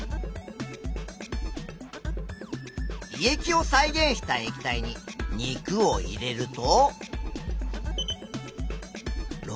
胃液を再現した液体に肉を入れると。